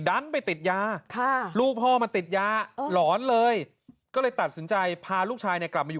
ดันไปติดยาลูกพ่อมันติดยาหลอนเลยก็เลยตัดสินใจพาลูกชายเนี่ยกลับมาอยู่